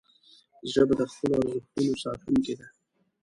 ژبه د خپلو ارزښتونو ساتونکې ده